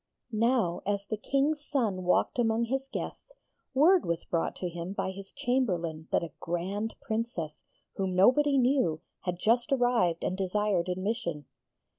Now, as the King's son walked among his guests, word was brought to him by his Chamberlain that a grand Princess, whom nobody knew, had just arrived and desired admission.